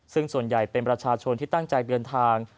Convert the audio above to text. ซึ่งส่วนใหญ่เป็นประชาชนที่ตั้งใจเดินทาง